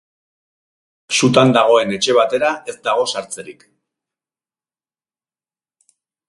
Sutan dagoen etxe batera ez dago sartzerik.